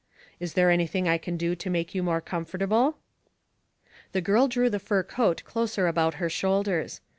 "Is there anything I can do to make you more comfortable?" The girl drew the fur coat closer about her shoulders.